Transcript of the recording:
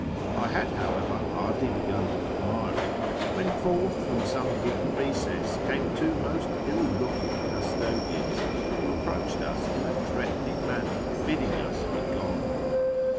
I liad, however, hardly begun to admire it when forth from some hidden recess came two most ill looking custodians, who approached us in a threatening manner, bidding us begone.